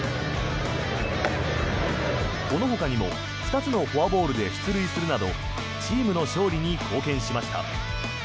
このほかにも２つのフォアボールで出塁するなどチームの勝利に貢献しました。